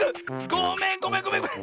ごめんごめんごめんごめん！